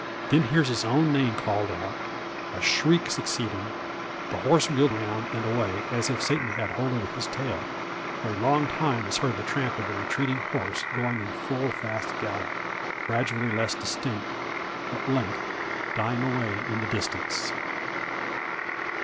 Then hears his own name called out, a shriek succeeding; the horse wheeled round, and away, as if Satan had hold of his tail! For a long time is heard the tramp of the retreating horse going in full fast gallop gradually less distinct at length dying away in the distance.